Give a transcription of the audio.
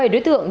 bảy đối tượng